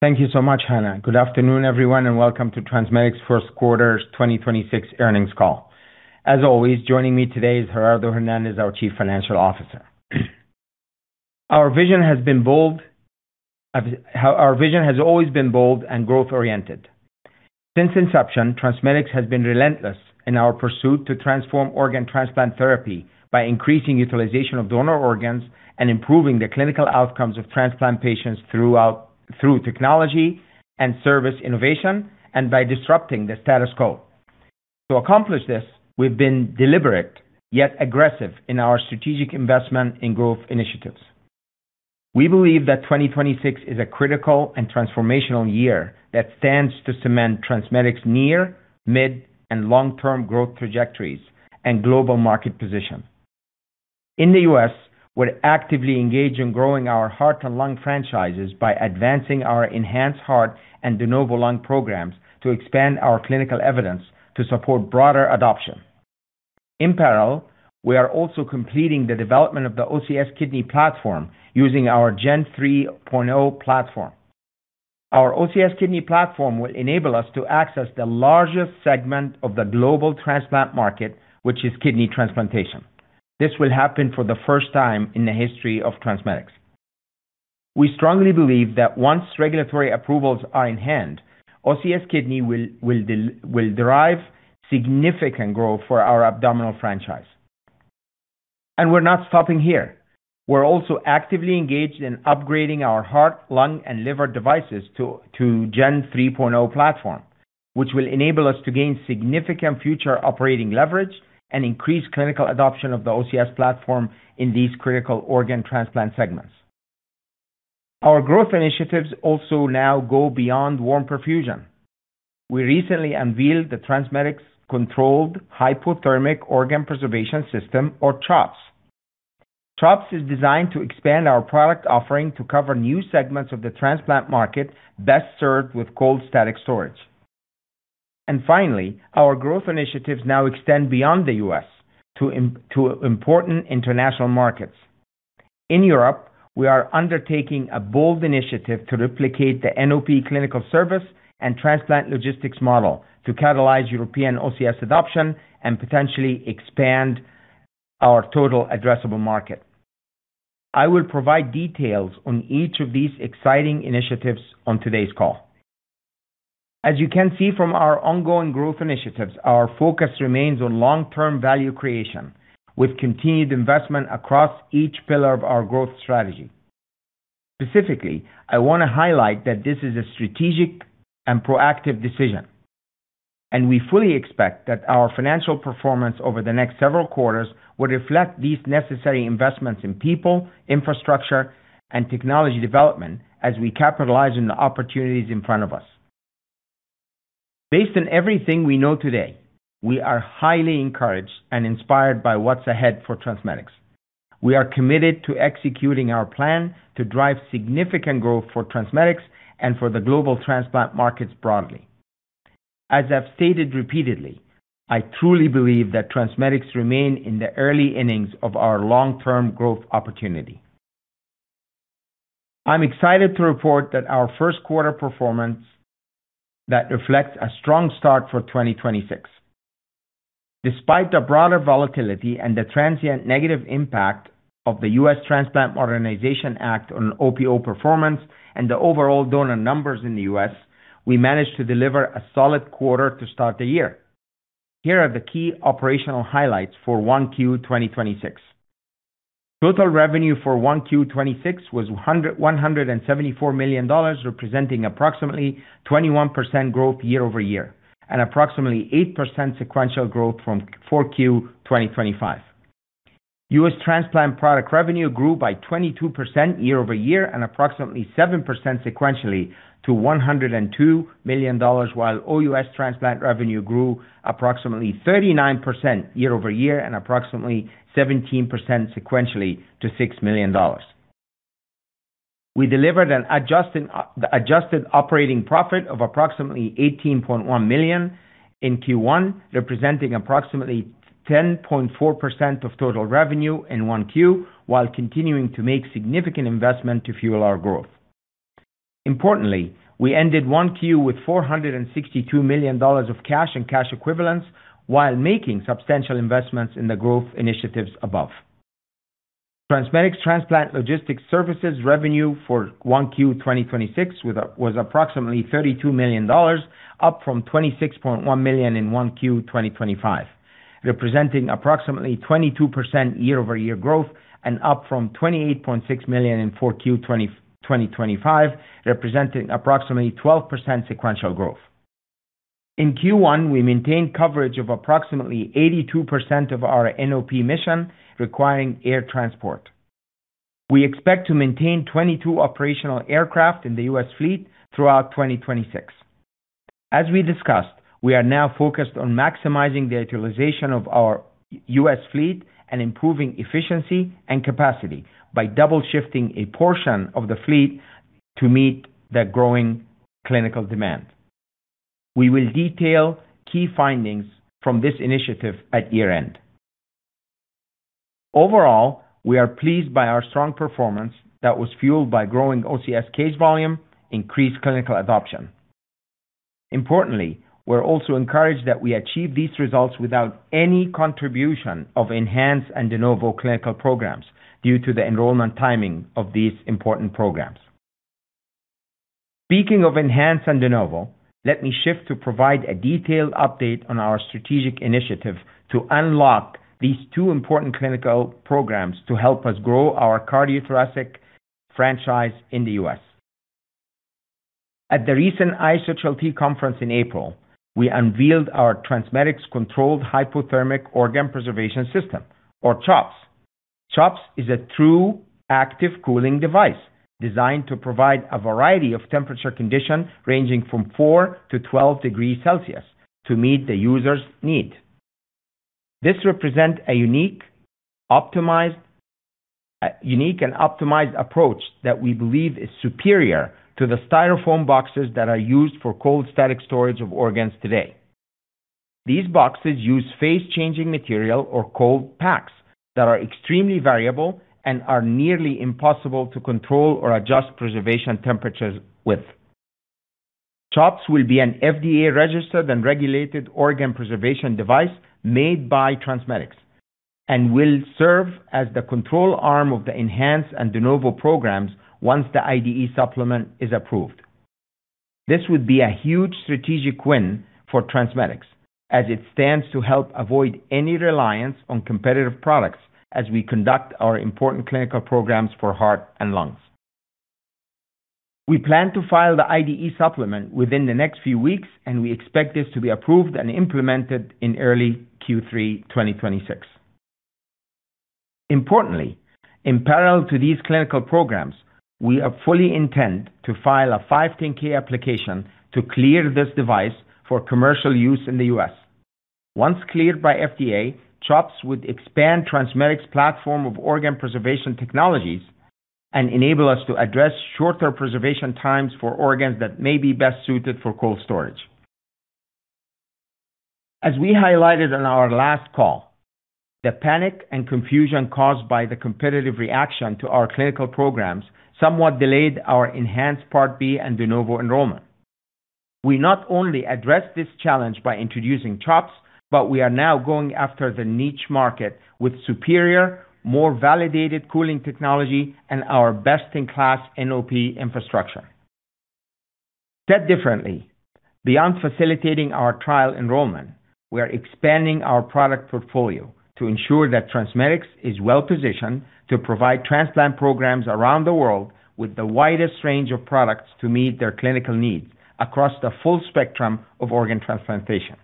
Thank you so much, Hannah. Good afternoon, everyone, and welcome to TransMedics' Q1 2026 Earnings Call. As always, joining me today is Gerardo Hernandez, our Chief Financial Officer. Our vision has always been bold and growth-oriented. Since inception, TransMedics has been relentless in our pursuit to transform organ transplant therapy by increasing utilization of donor organs and improving the clinical outcomes of transplant patients through technology and service innovation and by disrupting the status quo. To accomplish this, we've been deliberate, yet aggressive in our strategic investment in growth initiatives. We believe that 2026 is a critical and transformational year that stands to cement TransMedics' near, mid, and long-term growth trajectories and global market position. In the U.S., we're actively engaged in growing our heart and lung franchises by advancing our ENHANCE Heart and DENOVO Lung programs to expand our clinical evidence to support broader adoption. In parallel, we are also completing the development of the OCS Kidney platform using our Gen 3.0 platform. Our OCS Kidney platform will enable us to access the largest segment of the global transplant market, which is kidney transplantation. This will happen for the first time in the history of TransMedics. We strongly believe that once regulatory approvals are in hand, OCS Kidney will derive significant growth for our abdominal franchise. We're not stopping here. We're also actively engaged in upgrading our heart, lung, and liver devices to Gen 3.0 platform, which will enable us to gain significant future operating leverage and increase clinical adoption of the OCS platform in these critical organ transplant segments. Our growth initiatives also now go beyond warm perfusion. We recently unveiled the TransMedics Controlled Hypothermic Organ Preservation System or CHOPS. CHOPS is designed to expand our product offering to cover new segments of the transplant market best served with cold static storage. Finally, our growth initiatives now extend beyond the U.S. to important International markets. In Europe, we are undertaking a bold initiative to replicate the NOP clinical service and transplant logistics model to catalyze European OCS adoption and potentially expand our total addressable market. I will provide details on each of these exciting initiatives on today's call. As you can see from our ongoing growth initiatives, our focus remains on long-term value creation with continued investment across each pillar of our growth strategy. Specifically, I wanna highlight that this is a strategic and proactive decision. We fully expect that our financial performance over the next several quarters will reflect these necessary investments in people, infrastructure, and technology development as we capitalize on the opportunities in front of us. Based on everything we know today, we are highly encouraged and inspired by what's ahead for TransMedics. We are committed to executing our plan to drive significant growth for TransMedics and for the global transplant markets broadly. As I've stated repeatedly, I truly believe that TransMedics remain in the early innings of our long-term growth opportunity. I'm excited to report that our Q1 performance that reflects a strong start for 2026. Despite the broader volatility and the transient negative impact of the U.S. Transplant Modernization Act on OPO performance and the overall donor numbers in the U.S., we managed to deliver a solid quarter to start the year. Here are the key operational highlights for 1Q 2026. Total revenue for 1Q 2026 was $174 million, representing approximately 21% growth year-over-year and approximately 8% sequential growth from 4Q 2025. U.S. transplant product revenue grew by 22% year-over-year and approximately 7% sequentially to $102 million, while OUS transplant revenue grew approximately 39% year-over-year and approximately 17% sequentially to $6 million. We delivered adjusted operating profit of approximately $18.1 million in Q1, representing approximately 10.4% of total revenue in 1Q, while continuing to make significant investment to fuel our growth. Importantly, we ended 1Q with $462 million of cash and cash equivalents while making substantial investments in the growth initiatives above. TransMedics transplant logistics services revenue for 1Q 2026 was approximately $32 million, up from $26.1 million in 1Q 2025, representing approximately 22% year-over-year growth and up from $28.6 million in 4Q 2025, representing approximately 12% sequential growth. In Q1, we maintained coverage of approximately 82% of our NOP mission requiring air transport. We expect to maintain 22 operational aircraft in the U.S. fleet throughout 2026. As we discussed, we are now focused on maximizing the utilization of our U.S. fleet and improving efficiency and capacity by double-shifting a portion of the fleet to meet the growing clinical demand. We will detail key findings from this initiative at year-end. Overall, we are pleased by our strong performance that was fueled by growing OCS case volume, increased clinical adoption. Importantly, we're also encouraged that we achieved these results without any contribution of ENHANCE and DENOVO clinical programs due to the enrollment timing of these important programs. Speaking of ENHANCE and DENOVO, let me shift to provide a detailed update on our strategic initiative to unlock these two important clinical programs to help us grow our cardiothoracic franchise in the U.S. At the recent ISHLT conference in April, we unveiled our TransMedics Controlled Hypothermic Organ Preservation System or CHOPS. CHOPS is a true active cooling device designed to provide a variety of temperature condition ranging from four to 12 degrees Celsius to meet the user's need. This represents a unique optimized, unique and optimized approach that we believe is superior to the styrofoam boxes that are used for cold static storage of organs today. These boxes use phase-changing material or cold packs that are extremely variable and are nearly impossible to control or adjust preservation temperatures with. CHOPS will be an FDA-registered and regulated organ preservation device made by TransMedics and will serve as the control arm of the ENHANCE and DENOVO programs once the IDE supplement is approved. This would be a huge strategic win for TransMedics as it stands to help avoid any reliance on competitive products as we conduct our important clinical programs for heart and lungs. We plan to file the IDE supplement within the next few weeks, and we expect this to be approved and implemented in early Q3 2026. Importantly, in parallel to these clinical programs, we fully intend to file a 510 application to clear this device for commercial use in the U.S. Once cleared by FDA, CHOPS would expand TransMedics platform of organ preservation technologies and enable us to address shorter preservation times for organs that may be best suited for cold storage. As we highlighted on our last call, the panic and confusion caused by the competitive reaction to our clinical programs somewhat delayed our ENHANCE Part B and DENOVO enrollment. We not only addressed this challenge by introducing CHOPS, but we are now going after the niche market with superior, more validated cooling technology and our best-in-class NOP infrastructure. Said differently, beyond facilitating our trial enrollment, we are expanding our product portfolio to ensure that TransMedics is well-positioned to provide transplant programs around the world with the widest range of products to meet their clinical needs across the full spectrum of organ transplantation.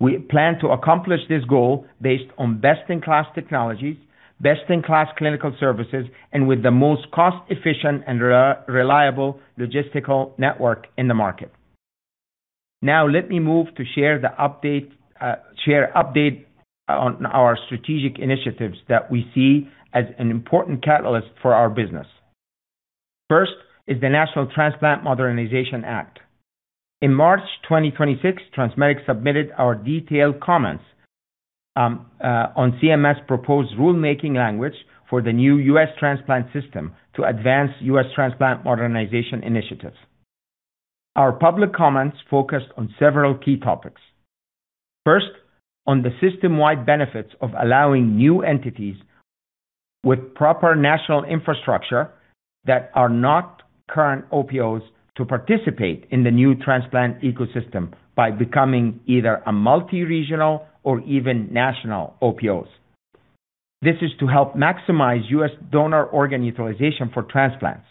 We plan to accomplish this goal based on best-in-class technologies, best-in-class clinical services, and with the most cost-efficient and reliable logistical network in the market. Let me move to share update on our strategic initiatives that we see as an important catalyst for our business. First is the National Transplant Modernization Act. In March 2026, TransMedics submitted our detailed comments on CMS proposed rulemaking language for the new U.S. transplant system to advance U.S. transplant modernization initiatives. Our public comments focused on several key topics. On the system-wide benefits of allowing new entities with proper national infrastructure that are not current OPOs to participate in the new transplant ecosystem by becoming either a multi-regional or even national OPOs. This is to help maximize U.S. donor organ utilization for transplants.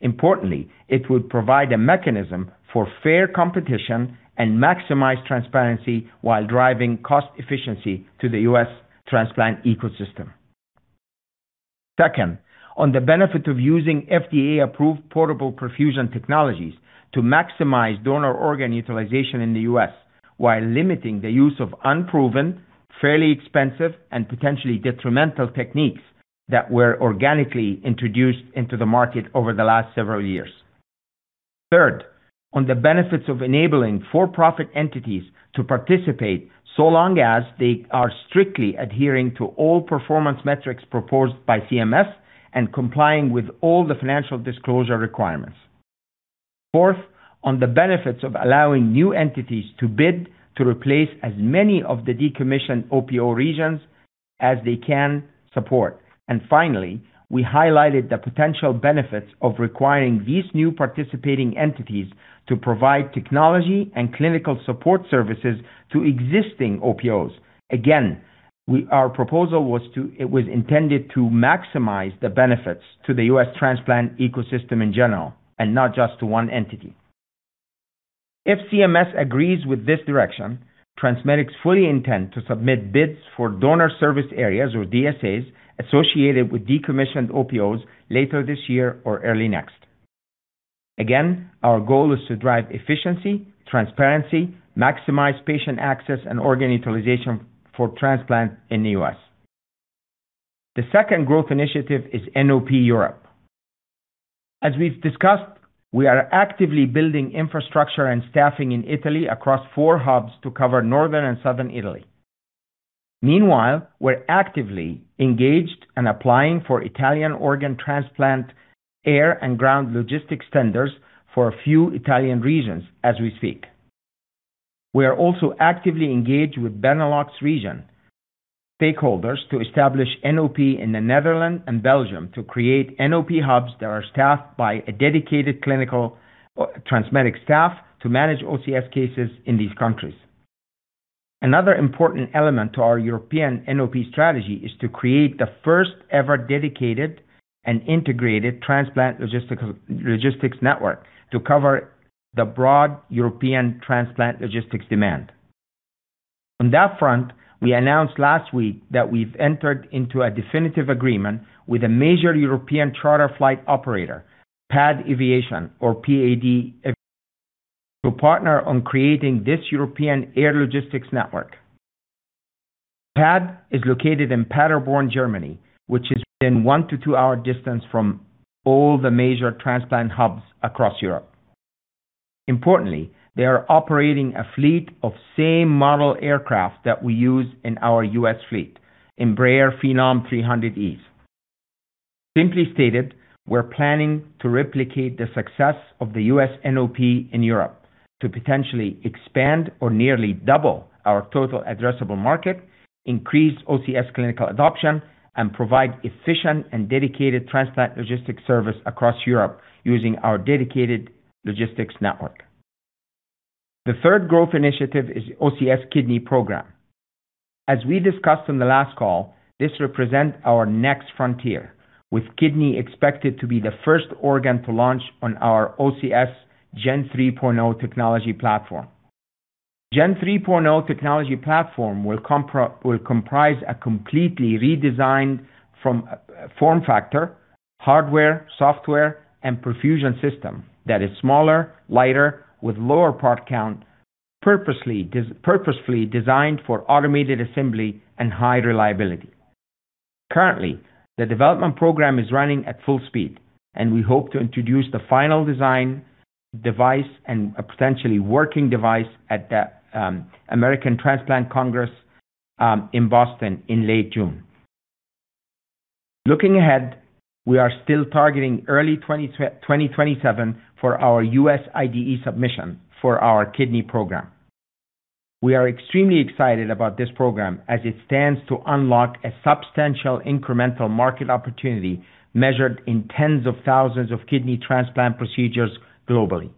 It would provide a mechanism for fair competition and maximize transparency while driving cost efficiency to the U.S. transplant ecosystem. On the benefit of using FDA-approved portable perfusion technologies to maximize donor organ utilization in the U.S. while limiting the use of unproven, fairly expensive, and potentially detrimental techniques that were organically introduced into the market over the last several years. On the benefits of enabling for-profit entities to participate so long as they are strictly adhering to all performance metrics proposed by CMS and complying with all the financial disclosure requirements. Fourth, on the benefits of allowing new entities to bid to replace as many of the decommissioned OPO regions as they can support. Finally, we highlighted the potential benefits of requiring these new participating entities to provide technology and clinical support services to existing OPOs. Again, it was intended to maximize the benefits to the U.S. transplant ecosystem in general and not just to one entity. If CMS agrees with this direction, TransMedics fully intend to submit bids for donor service areas or DSAs associated with decommissioned OPOs later this year or early next. Again, our goal is to drive efficiency, transparency, maximize patient access, and organ utilization for transplant in the U.S. The second growth initiative is NOP Europe. As we've discussed, we are actively building infrastructure and staffing in Italy across four hubs to cover Northern and Southern Italy. Meanwhile, we're actively engaged and applying for Italian organ transplant air and ground logistics tenders for a few Italian regions as we speak. We are also actively engaged with Benelux region stakeholders to establish NOP in the Netherlands and Belgium to create NOP hubs that are staffed by a dedicated clinical TransMedics staff to manage OCS cases in these countries. Another important element to our European NOP strategy is to create the first-ever dedicated and integrated transplant logistics network to cover the broad European transplant logistics demand. On that front, we announced last week that we've entered into a definitive agreement with a major European charter flight operator, PAD Aviation or PAD Aviation, to partner on creating this European air logistics network. PAD is located in Paderborn, Germany, which is within one to two-hour distance from all the major transplant hubs across Europe. Importantly, they are operating a fleet of same model aircraft that we use in our U.S. fleet, Embraer Phenom 300E. Simply stated, we're planning to replicate the success of the U.S. NOP in Europe to potentially expand or nearly double our total addressable market, increase OCS clinical adoption, and provide efficient and dedicated transplant logistics service across Europe using our dedicated logistics network. The third growth initiative is OCS Kidney Program. As we discussed on the last call, this represent our next frontier, with kidney expected to be the first organ to launch on our OCS Gen 3.0 technology platform. Gen 3.0 technology platform will comprise a completely redesigned from form factor, hardware, software, and perfusion system that is smaller, lighter with lower part count, purposefully designed for automated assembly and high reliability. Currently, the development program is running at full speed, and we hope to introduce the final design device and a potentially working device at the American Transplant Congress in Boston in late June. Looking ahead, we are still targeting early 2027 for our U.S. IDE submission for our kidney program. We are extremely excited about this program as it stands to unlock a substantial incremental market opportunity measured in tens of thousands of kidney transplant procedures globally.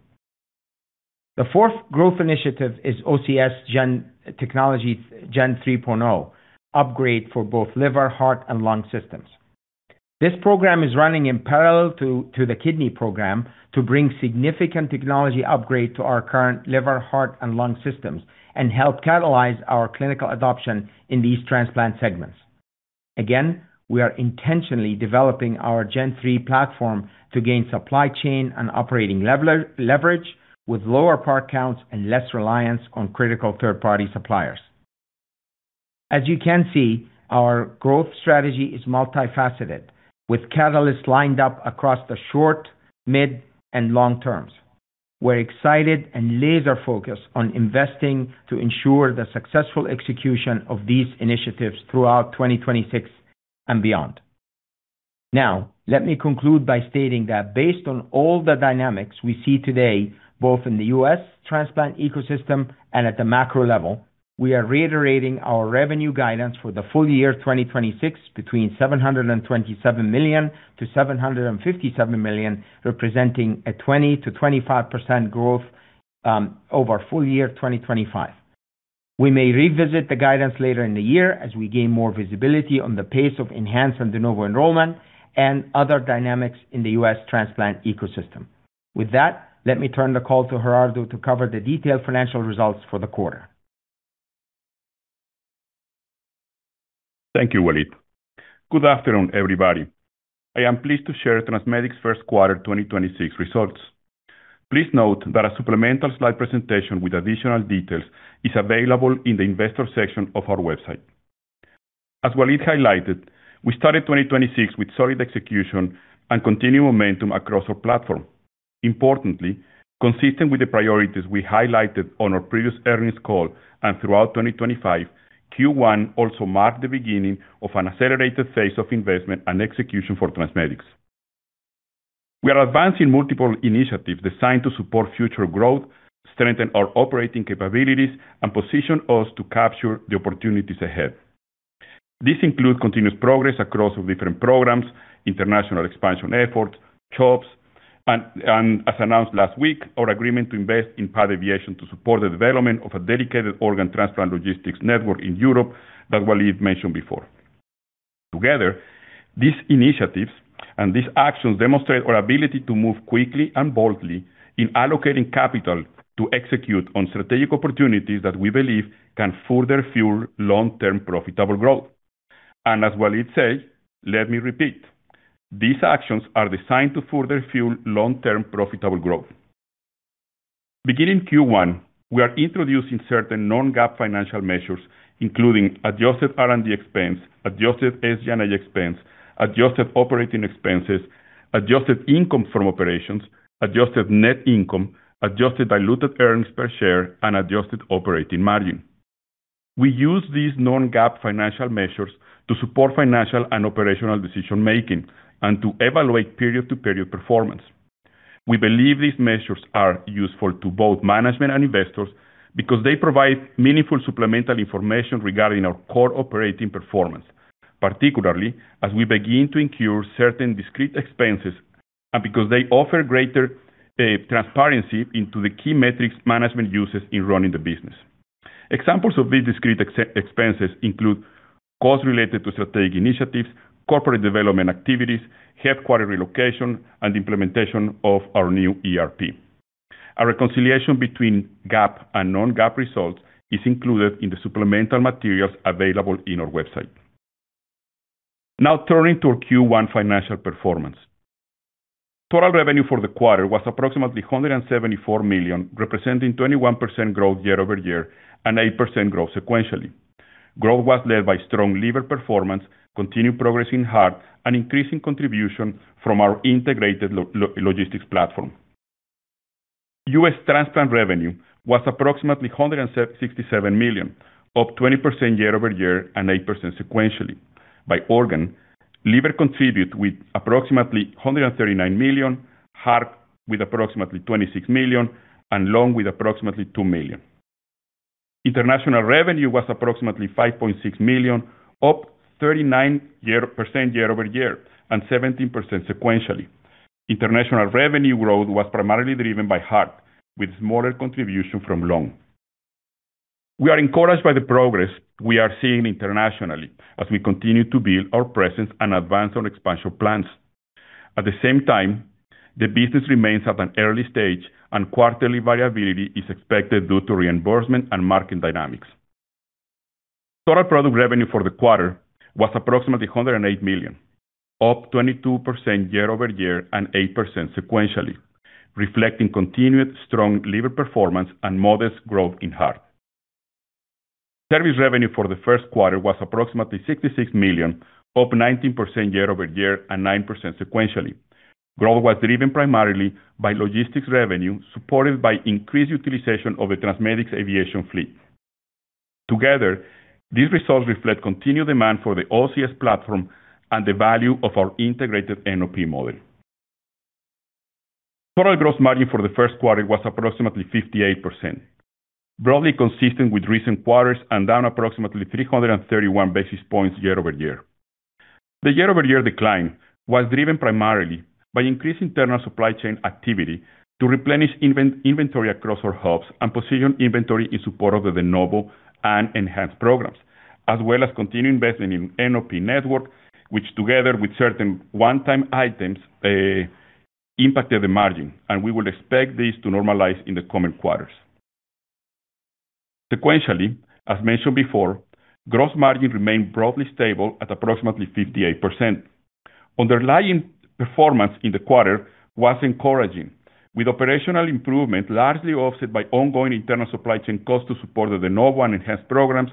The fourth growth initiative is OCS Gen 3.0 upgrade for both liver, heart, and lung systems. This program is running in parallel to the kidney program to bring significant technology upgrade to our current liver, heart, and lung systems and help catalyze our clinical adoption in these transplant segments. Again, we are intentionally developing our Gen 3.0 platform to gain supply chain and operating level, leverage with lower part counts and less reliance on critical third-party suppliers. As you can see, our growth strategy is multifaceted with catalysts lined up across the short, mid, and long terms. We're excited and laser-focused on investing to ensure the successful execution of these initiatives throughout 2026 and beyond. Now, let me conclude by stating that based on all the dynamics we see today, both in the U.S. transplant ecosystem and at the macro level, we are reiterating our revenue guidance for the full year 2026 between $727 million-$757 million, representing a 20%-25% growth over full year 2025. We may revisit the guidance later in the year as we gain more visibility on the pace of ENHANCE and DENOVO enrollment and other dynamics in the U.S. transplant ecosystem. With that, let me turn the call to Gerardo to cover the detailed financial results for the quarter. Thank you, Waleed. Good afternoon, everybody. I am pleased to share TransMedics' Q1 2026 results. Please note that a supplemental slide presentation with additional details is available in the investor section of our website. As Waleed highlighted, we started 2026 with solid execution and continued momentum across our platform. Importantly, consistent with the priorities we highlighted on our previous earnings call and throughout 2025, Q1 also marked the beginning of an accelerated phase of investment and execution for TransMedics. We are advancing multiple initiatives designed to support future growth, strengthen our operating capabilities, and position us to capture the opportunities ahead. This includes continuous progress across our different programs, international expansion efforts, CHOPS, and as announced last week, our agreement to invest in PAD Aviation to support the development of a dedicated organ transplant logistics network in Europe that Waleed mentioned before. Together, these initiatives and these actions demonstrate our ability to move quickly and boldly in allocating capital to execute on strategic opportunities that we believe can further fuel long-term profitable growth. As Waleed said, let me repeat, these actions are designed to further fuel long-term profitable growth. Beginning Q1, we are introducing certain non-GAAP financial measures, including adjusted R&D expense, adjusted SG&A expense, adjusted operating expenses, adjusted income from operations, adjusted net income, adjusted diluted earnings per share, and adjusted operating margin. We use these non-GAAP financial measures to support financial and operational decision-making and to evaluate period-to-period performance. We believe these measures are useful to both management and investors because they provide meaningful supplemental information regarding our core operating performance, particularly as we begin to incur certain discrete expenses and because they offer greater transparency into the key metrics management uses in running the business. Examples of these discrete expenses include costs related to strategic initiatives, corporate development activities, headquarter relocation, and implementation of our new ERP. A reconciliation between GAAP and non-GAAP results is included in the supplemental materials available in our website. Turning to our Q1 financial performance. Total revenue for the quarter was approximately $174 million, representing 21% growth year-over-year and 8% growth sequentially. Growth was led by strong liver performance, continued progress in heart, and increasing contribution from our integrated logistics platform. U.S. transplant revenue was approximately $167 million, up 20% year-over-year and 8% sequentially. By organ, liver contribute with approximately $139 million, heart with approximately $26 million, and lung with approximately $2 million. International revenue was approximately $5.6 million, up 39% year-over-year and 17% sequentially. International revenue growth was primarily driven by heart, with smaller contribution from lung. We are encouraged by the progress we are seeing internationally as we continue to build our presence and advance our expansion plans. At the same time, the business remains at an early stage, and quarterly variability is expected due to reimbursement and market dynamics. Total product revenue for the quarter was approximately $108 million, up 22% year-over-year and 8% sequentially, reflecting continued strong liver performance and modest growth in heart. Service revenue for the Q1 was approximately $66 million, up 19% year-over-year and 9% sequentially. Growth was driven primarily by logistics revenue, supported by increased utilization of the TransMedics aviation fleet. Together, these results reflect continued demand for the OCS platform and the value of our integrated NOP model. Total gross margin for the Q1 was approximately 58%, broadly consistent with recent quarters and down approximately 331 basis points year-over-year. The year-over-year decline was driven primarily by increased internal supply chain activity to replenish inventory across our hubs and position inventory in support of the DENOVO and ENHANCE programs, as well as continued investment in NOP network, which together with certain one-time items impacted the margin. We would expect this to normalize in the coming quarters. Sequentially, as mentioned before, gross margin remained broadly stable at approximately 58%. Underlying performance in the quarter was encouraging, with operational improvement largely offset by ongoing internal supply chain costs to support the DENOVO and ENHANCE programs,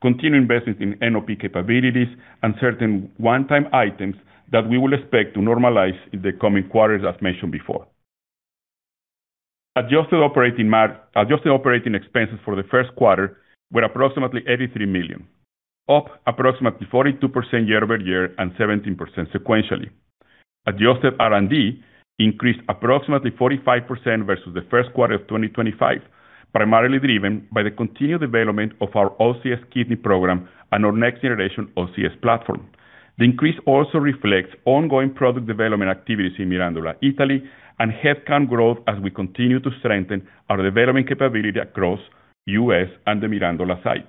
continued investment in NOP capabilities, and certain one-time items that we will expect to normalize in the coming quarters, as mentioned before. Adjusted operating expenses for the Q1 were approximately $83 million, up approximately 42% year-over-year and 17% sequentially. Adjusted R&D increased approximately 45% versus the Q1 of 2025, primarily driven by the continued development of our OCS Kidney program and our next-generation OCS platform. The increase also reflects ongoing product development activities in Mirandola, Italy, and headcount growth as we continue to strengthen our development capability across U.S. and the Mirandola site.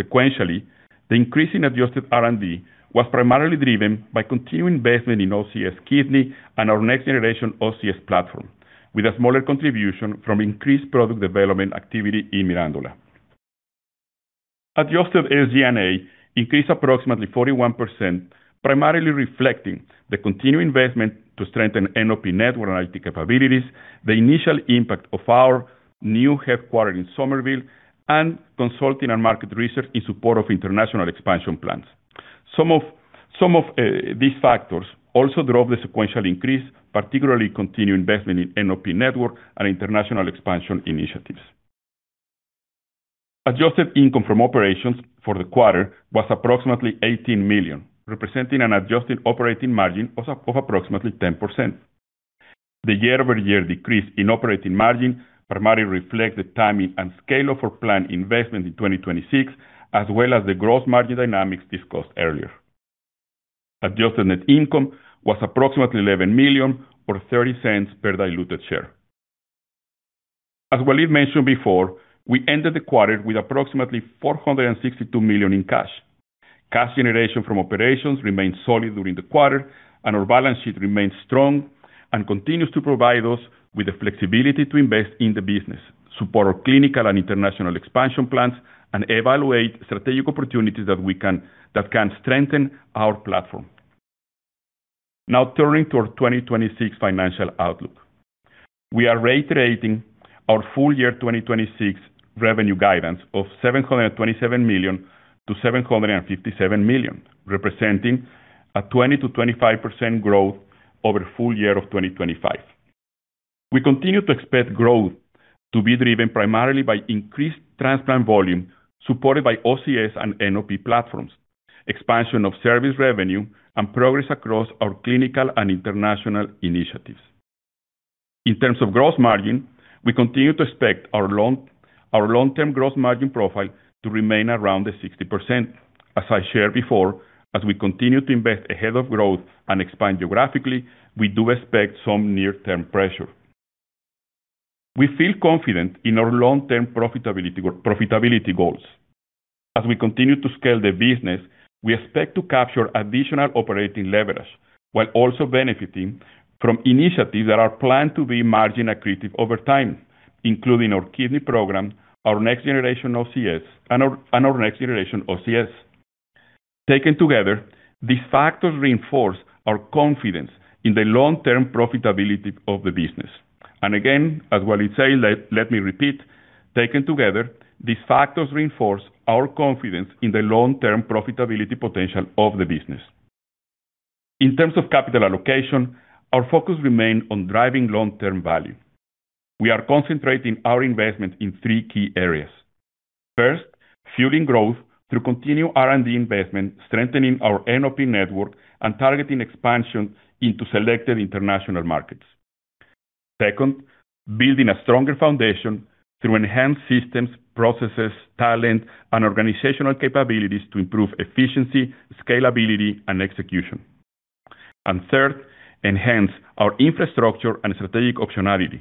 Sequentially, the increase in adjusted R&D was primarily driven by continued investment in OCS Kidney and our next-generation OCS platform, with a smaller contribution from increased product development activity in Mirandola. Adjusted SG&A increased approximately 41%, primarily reflecting the continued investment to strengthen NOP network and IT capabilities, the initial impact of our new headquarter in Somerville, and consulting and market research in support of international expansion plans. Some of these factors also drove the sequential increase, particularly continued investment in NOP network and international expansion initiatives. Adjusted income from operations for the quarter was approximately $18 million, representing an adjusted operating margin of approximately 10%. The year-over-year decrease in operating margin primarily reflect the timing and scale of our planned investment in 2026 as well as the gross margin dynamics discussed earlier. Adjusted net income was approximately $11 million or $0.30 per diluted share. As Waleed mentioned before, we ended the quarter with approximately $462 million in cash. Cash generation from operations remained solid during the quarter. Our balance sheet remains strong and continues to provide us with the flexibility to invest in the business, support our clinical and international expansion plans, and evaluate strategic opportunities that can strengthen our platform. Turning to our 2026 financial outlook. We are reiterating our full year 2026 revenue guidance of $727 million-$757 million, representing a 20%-25% growth over full year of 2025. We continue to expect growth to be driven primarily by increased transplant volume supported by OCS and NOP platforms, expansion of service revenue, and progress across our clinical and international initiatives. In terms of gross margin, we continue to expect our long-term gross margin profile to remain around the 60%. As I shared before, as we continue to invest ahead of growth and expand geographically, we do expect some near-term pressure. We feel confident in our long-term profitability goals. As we continue to scale the business, we expect to capture additional operating leverage while also benefiting from initiatives that are planned to be margin accretive over time, including our kidney program and our next generation OCS. Taken together, these factors reinforce our confidence in the long-term profitability of the business. Again, as Waleed say, let me repeat, taken together, these factors reinforce our confidence in the long-term profitability potential of the business. In terms of capital allocation, our focus remain on driving long-term value. We are concentrating our investment in three key areas. First, fueling growth through continued R&D investment, strengthening our NOP network and targeting expansion into selected international markets. Second, building a stronger foundation through enhanced systems, processes, talent and organizational capabilities to improve efficiency, scalability and execution. Third, enhance our infrastructure and strategic optionality,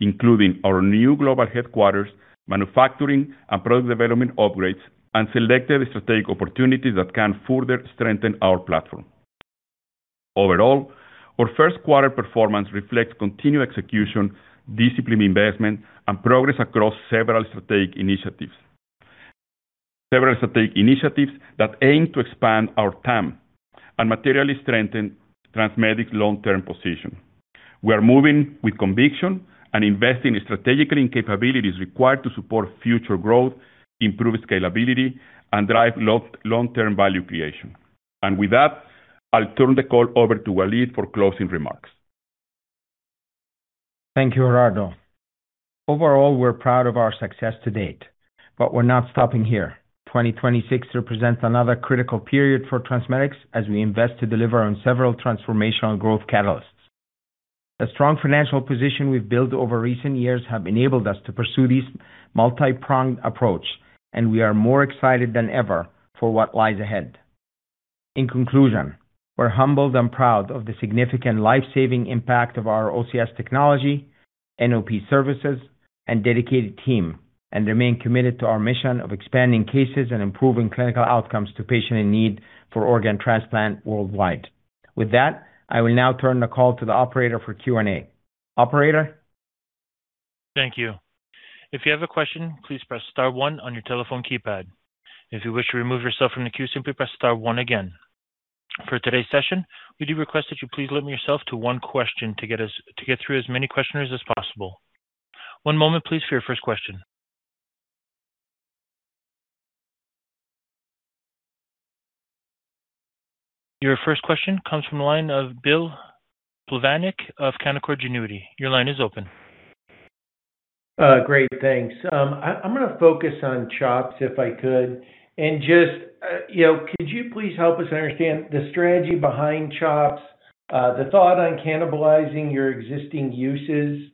including our new global headquarters, manufacturing and product development upgrades, and selected strategic opportunities that can further strengthen our platform. Overall, our Q1 performance reflects continued execution, disciplined investment and progress across several strategic initiatives. Several strategic initiatives that aim to expand our TAM and materially strengthen TransMedics's long-term position. We are moving with conviction and investing strategically in capabilities required to support future growth, improve scalability and drive long-term value creation. With that, I'll turn the call over to Waleed for closing remarks. Thank you, Gerardo. Overall, we're proud of our success to date. We're not stopping here. 2026 represents another critical period for TransMedics as we invest to deliver on several transformational growth catalysts. The strong financial position we've built over recent years have enabled us to pursue this multi-pronged approach, and we are more excited than ever for what lies ahead. In conclusion, we're humbled and proud of the significant life-saving impact of our OCS technology, NOP services and dedicated team, and remain committed to our mission of expanding cases and improving clinical outcomes to patients in need for organ transplant worldwide. With that, I will now turn the call to the operator for Q&A. Operator? Thank you. If you have a question, please press star one on your telephone keypad. If you wish to remove yourself from the queue, please press star one again. For today's session, we do request that you please limit yourself to one question to get through as many questions as possible. One moment, please, for your first question. Your first question comes from the line of Bill Plovanic of Canaccord Genuity. Your line is open. Great. Thanks. I'm gonna focus on CHOPS if I could. Just, you know, could you please help us understand the strategy behind CHOPS, the thought on cannibalizing your existing uses?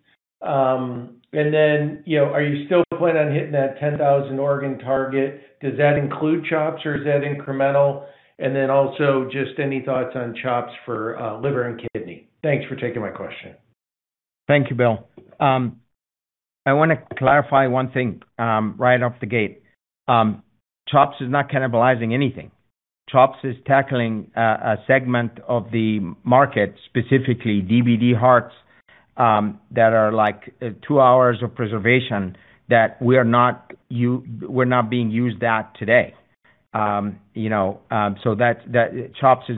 Then, you know, are you still planning on hitting that 10,000 organ target? Does that include CHOPS or is that incremental? Then also just any thoughts on CHOPS for liver and kidney. Thanks for taking my question. Thank you, Bill. I want to clarify one thing right off the gate. CHOPS is not cannibalizing anything. CHOPS is tackling a segment of the market, specifically DBD hearts, that are like two hours of preservation that we are not we're not being used at today. CHOPS is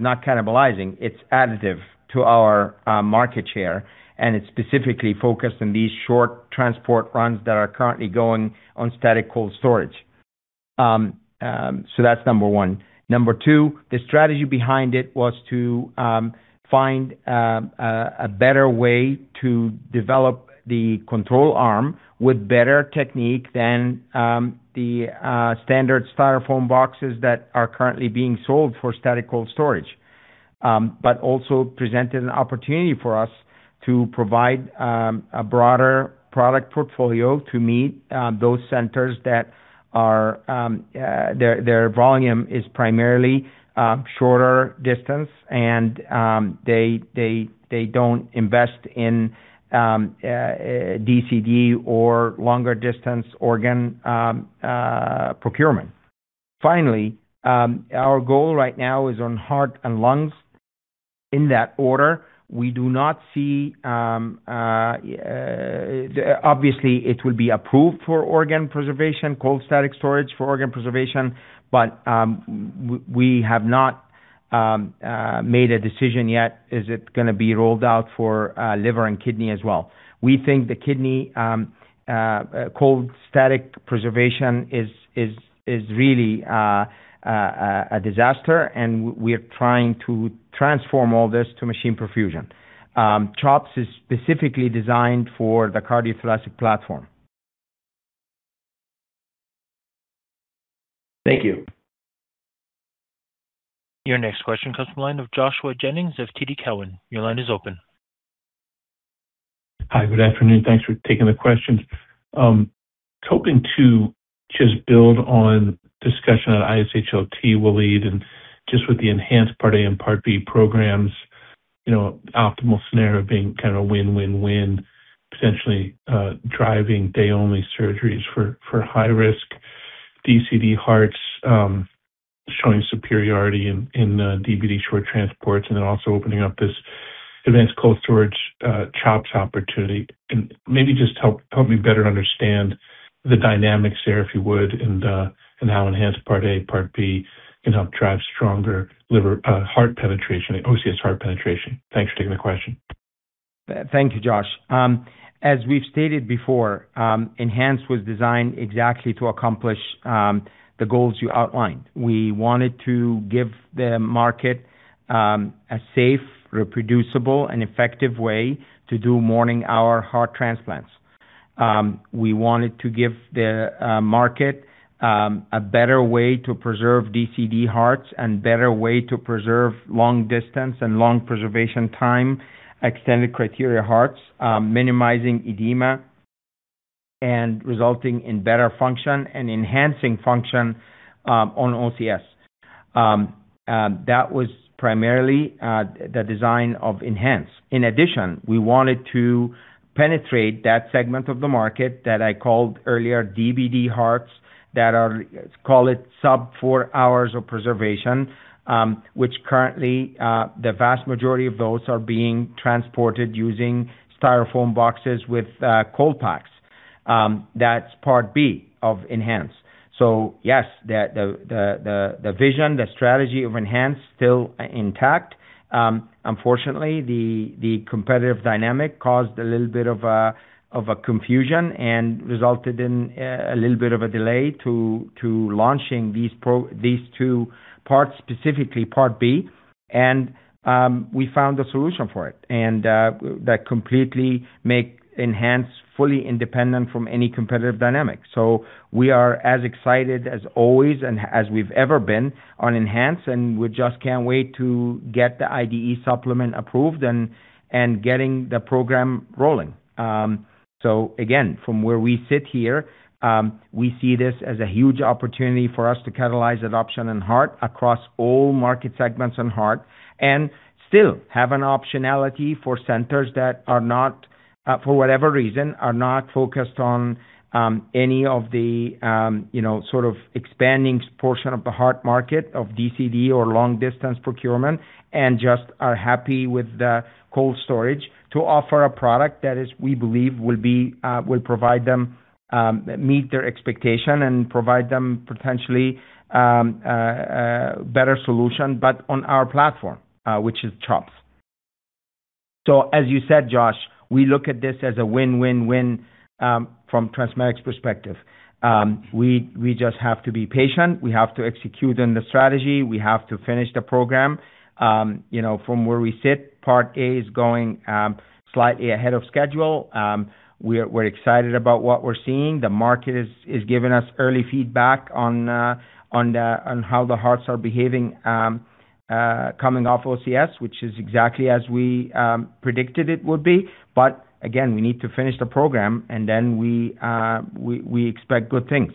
not cannibalizing. It's additive to our market share, and it's specifically focused on these short transport runs that are currently going on static cold storage. That's number one. Number two, the strategy behind it was to find a better way to develop the control arm with better technique than the standard styrofoam boxes that are currently being sold for static cold storage. Also presented an opportunity for us to provide a broader product portfolio to meet those centers that are their volume is primarily shorter distance and they don't invest in DCD or longer distance organ procurement. Our goal right now is on heart and lungs. In that order, we do not see, obviously it will be approved for organ preservation, cold static storage for organ preservation, but we have not made a decision yet, is it gonna be rolled out for liver and kidney as well. We think the kidney cold static preservation is really a disaster, and we are trying to transform all this to machine perfusion. CHOPS is specifically designed for the cardiothoracic platform. Thank you. Your next question comes from the line of Joshua Jennings of TD Cowen. Your line is open. Hi, good afternoon. Thanks for taking the questions. Hoping to just build on discussion that ISHLT, Waleed, and just with the ENHANCE Part A and Part B programs, you know, optimal scenario being kind of win, win, potentially driving day-only surgeries for high risk DCD hearts, showing superiority in DBD short transports, then also opening up this advanced cold storage CHOPS opportunity. Maybe just help me better understand the dynamics there, if you would, how ENHANCE Part A, Part B can help drive stronger heart penetration, OCS heart penetration. Thanks for taking the question. Thank you, Josh. As we've stated before, ENHANCE was designed exactly to accomplish the goals you outlined. We wanted to give the market a safe, reproducible, and effective way to do morning hour heart transplants. We wanted to give the market a better way to preserve DCD hearts and better way to preserve long distance and long preservation time, extended criteria hearts, minimizing edema and resulting in better function and enhancing function on OCS. That was primarily the design of ENHANCE. In addition, we wanted to penetrate that segment of the market that I called earlier DBD hearts that are, let's call it sub 4 hours of preservation, which currently the vast majority of those are being transported using styrofoam boxes with cold packs. That's Part B of ENHANCE. Yes, the vision, the strategy of ENHANCE still intact. Unfortunately, the competitive dynamic caused a little bit of a confusion and resulted in a little bit of a delay to launching these two parts, specifically Part B. We found a solution for it that completely make ENHANCE fully independent from any competitive dynamic. We are as excited as always and as we've ever been on ENHANCE, and we just can't wait to get the IDE supplement approved and getting the program rolling. Again, from where we sit here, we see this as a huge opportunity for us to catalyze adoption in heart across all market segments in heart and still have an optionality for centers that are not, for whatever reason, are not focused on any of the, you know, sort of expanding portion of the heart market of DCD or long distance procurement and just are happy with the cold storage to offer a product that is, we believe, will be, will provide them, meet their expectation and provide them potentially a better solution, but on our platform, which is CHOPS. As you said, Josh, we look at this as a win-win-win from TransMedics perspective. We just have to be patient. We have to execute on the strategy. We have to finish the program. You know, from where we sit, Part A is going slightly ahead of schedule. We're excited about what we're seeing. The market is giving us early feedback on the on how the hearts are behaving coming off OCS, which is exactly as we predicted it would be. Again, we need to finish the program, and then we expect good things.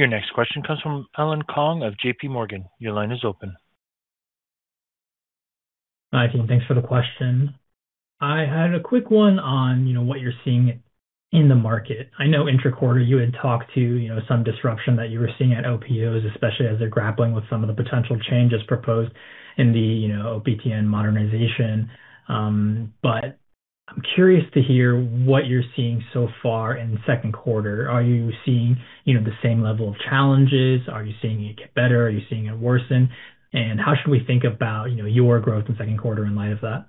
Your next question comes from Allen Gong of JPMorgan. Your line is open. Hi, team. Thanks for the question. I had a quick one on, you know, what you're seeing in the market. I know interquarter you had talked to, you know, some disruption that you were seeing at OPOs, especially as they're grappling with some of the potential changes proposed in the, you know, OPTN modernization. I'm curious to hear what you're seeing so far in the Q2. Are you seeing, you know, the same level of challenges? Are you seeing it get better? Are you seeing it worsen? How should we think about, you know, your growth in Q2 in light of that?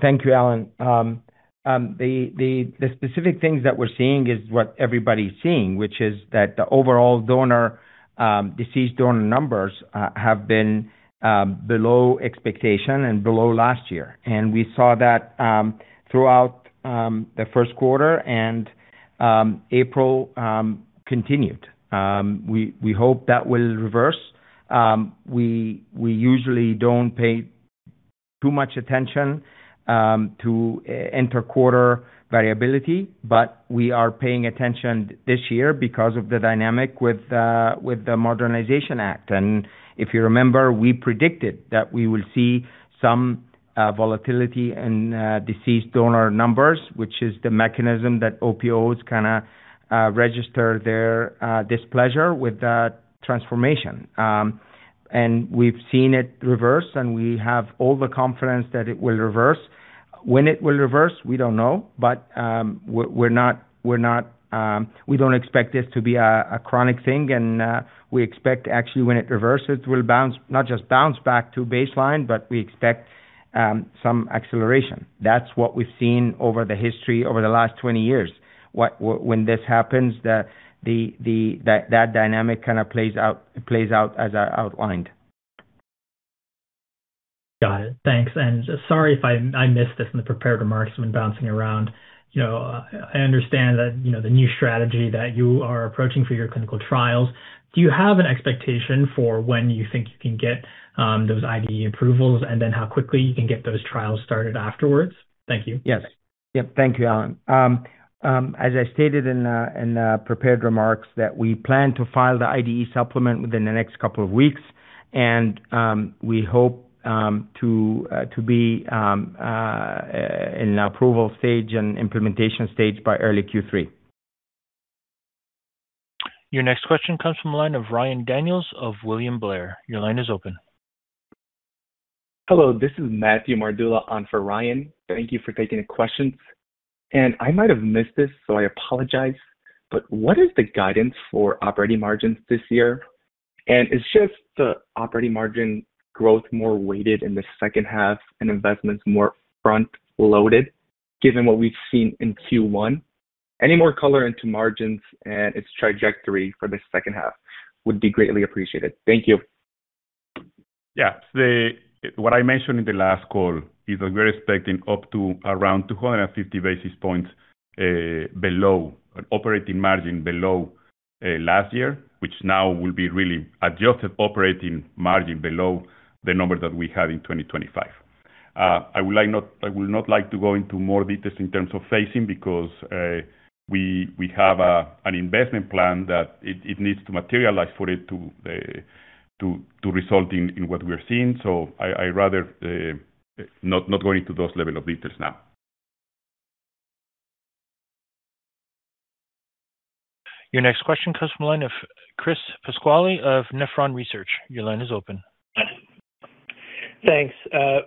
Thank you, Allen. The specific things that we're seeing is what everybody's seeing, which is that the overall donor, deceased donor numbers have been below expectation and below last year. We saw that throughout the Q1 and April continued. We hope that will reverse. We usually don't pay too much attention to inter-quarter variability, but we are paying attention this year because of the dynamic with the Modernization Act. If you remember, we predicted that we will see some volatility in deceased donor numbers, which is the mechanism that OPOs kinda register their displeasure with that transformation. We've seen it reverse, and we have all the confidence that it will reverse. When it will reverse, we don't know. We're not, we don't expect this to be a chronic thing and we expect actually when it reverses, it will bounce back to baseline, but we expect some acceleration. That's what we've seen over the history over the last 20 years. When this happens, that dynamic kind of plays out as I outlined. Got it. Thanks. Sorry if I missed this in the prepared remarks when bouncing around. You know, I understand that, you know, the new strategy that you are approaching for your clinical trials. Do you have an expectation for when you think you can get those IDE approvals and then how quickly you can get those trials started afterwards? Thank you. Yes. Yep. Thank you, Allen. As I stated in the prepared remarks that we plan to file the IDE supplement within the next couple of weeks, and we hope to be in the approval stage and implementation stage by early Q3. Your next question comes from the line of Ryan Daniels of William Blair. Your line is open. Hello, this is Matthew Mardula on for Ryan. Thank you for taking the questions. I might have missed this, so I apologize. What is the guidance for operating margins this year? Is just the operating margin growth more weighted in the second half and investments more front-loaded given what we've seen in Q1? Any more color into margins and its trajectory for the second half would be greatly appreciated. Thank you. Yeah. What I mentioned in the last call is that we're expecting up to around 250 basis points below an operating margin below last year, which now will be really adjusted operating margin below the number that we had in 2025. I would not like to go into more details in terms of phasing because we have an investment plan that it needs to materialize for it to result in what we're seeing. I rather not go into those level of details now. Your next question comes from the line of Chris Pasquale of Nephron Research. Your line is open. Thanks.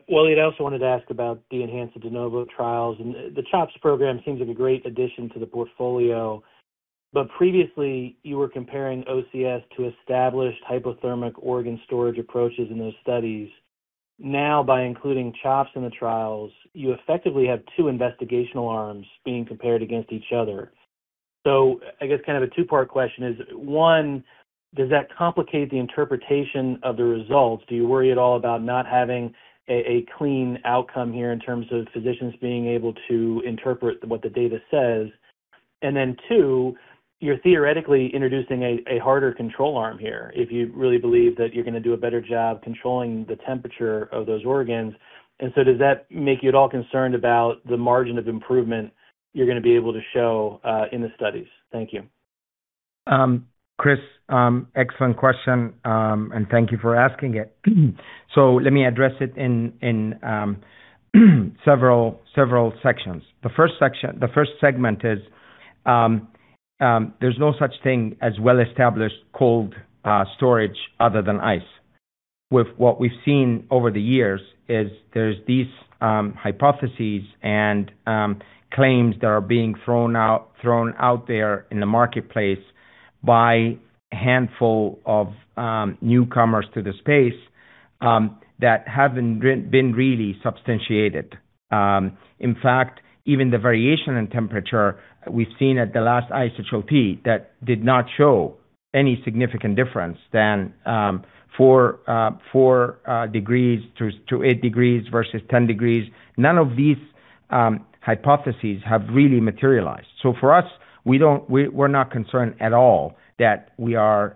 Waleed, I also wanted to ask about the ENHANCE DENOVO trials. The CHOPS program seems like a great addition to the portfolio. Previously, you were comparing OCS to established hypothermic organ storage approaches in those studies. Now, by including CHOPS in the trials, you effectively have two investigational arms being compared against each other. I guess kind of a two-part question is, one, does that complicate the interpretation of the results? Do you worry at all about not having a clean outcome here in terms of physicians being able to interpret what the data says? Then two, you're theoretically introducing a harder control arm here if you really believe that you're gonna do a better job controlling the temperature of those organs. Does that make you at all concerned about the margin of improvement you're gonna be able to show in the studies? Thank you. Chris, excellent question, and thank you for asking it. Let me address it in several sections. The first segment is, there's no such thing as well-established cold storage other than ice. With what we've seen over the years is there's these hypotheses and claims that are being thrown out there in the marketplace by a handful of newcomers to the space that haven't been really substantiated. In fact, even the variation in temperature we've seen at the last ISHLT that did not show any significant difference than four degrees to eight degrees versus 10 degrees. None of these hypotheses have really materialized. For us, we're not concerned at all that we are